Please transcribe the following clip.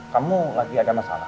kamu lagi ada masalah